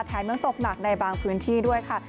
เมืองตกหนักในบางพื้นที่ด้วยค่ะ